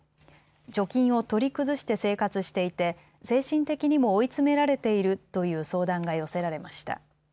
貯金を取り崩して生活していて精神的にも追い詰められているという相談が寄せられました。